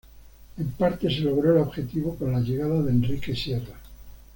En parte se logró el objetivo, con la llegada de Enrique Sierra.